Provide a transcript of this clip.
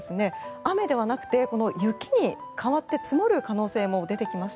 雨ではなくて雪に変わって積もる可能性も出てきました。